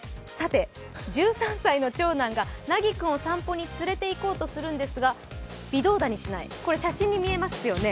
１３歳の長男が、なぎくんをお散歩に連れて行こうとするんですが微動だにしない、これ、写真に見えますよね。